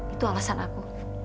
itu alasan aku